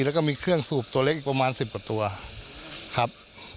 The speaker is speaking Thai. แล้วก็มีเครื่องสูบตัวเล็กอีกประมาณ๑๐กว่าตัวครับ